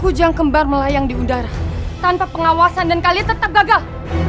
kujang kembar melayang di udara tanpa pengawasan dan kalian tetap gagal